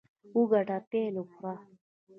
وګټه، پیل وخوره.